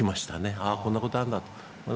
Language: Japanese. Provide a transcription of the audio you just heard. ああ、こんなことあるんだ。